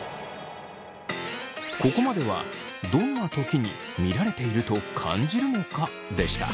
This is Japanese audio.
ここまではどんなときに見られていると感じるのか？でした。